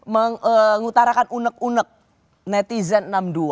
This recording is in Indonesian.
mengutarakan unek unek netizen enam puluh dua